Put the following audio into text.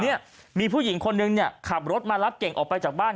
เนี่ยมีผู้หญิงคนนึงเนี่ยขับรถมารับเก่งออกไปจากบ้าน